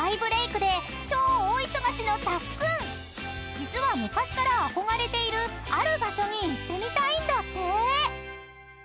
［実は昔から憧れているある場所に行ってみたいんだって］